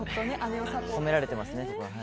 込められてますね。